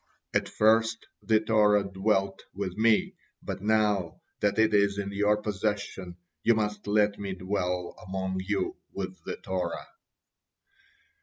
At first the Torah dwelt with Me, but now that it is in your possession, you must let Me dwell among you with the Torah."